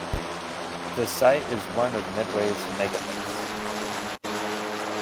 The site is one of the Medway megaliths.